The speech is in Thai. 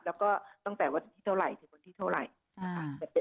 แล้วก็ตั้งแต่วันที่เท่าไหร่